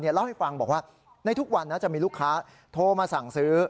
เล่าให้ฟังบอกว่าในทุกวันจะมีลูกค้าโทรมาสั่งซื้อ